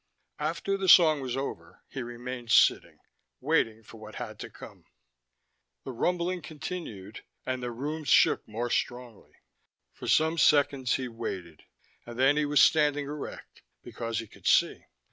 After the song was over, he remained sitting, waiting for what had to come. The rumbling continued, and the room shook more strongly. For some seconds he waited, and then he was standing erect, because he could see.